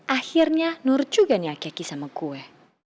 akhirnya nur juga nyakyaki sama gue